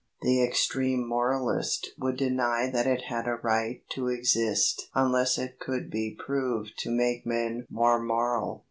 The extreme moralist would deny that it had a right to exist unless it could be proved to make men more moral.